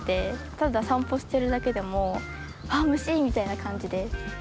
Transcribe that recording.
ただ散歩しているだけでもあ、虫！みたいな感じで。